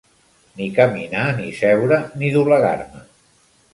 Ni caminar ni seure ni doblegar-me.